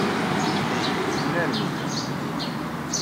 D igellilen armi d iɣes.